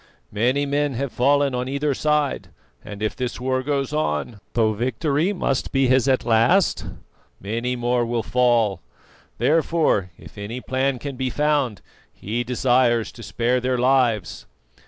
Many men have fallen on either side, and if this war goes on, though victory must be his at last, many more will fall. Therefore, if any plan can be found, he desires to spare their lives."